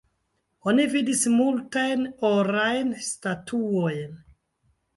Oni vidis multajn orajn statuojn.